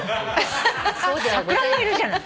桜もいるじゃない。